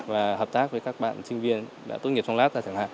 và hợp tác với các bạn sinh viên đã tốt nghiệp trong lạc